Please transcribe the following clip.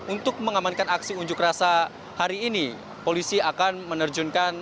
untuk mengamankan aksi unjuk rasa hari ini polisi akan menerjunkan